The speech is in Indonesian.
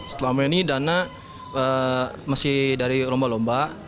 setelah mulai ini dana masih dari lomba lomba